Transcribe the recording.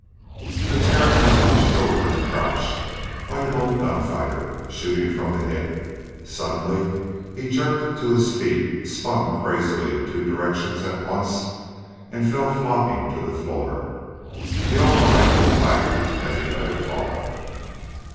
The Terran was hunched over in a crouch, like an old gunfighter, shooting from the hip. Suddenly he jerked to his feet, spun crazily in two directions at once and fell flopping to the floor. The auto rifle clattered as he let it fall.